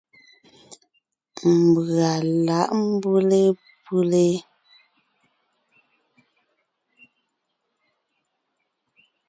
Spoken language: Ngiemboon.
Mbʉ̀a lǎʼ mbʉ́le pʉ́le.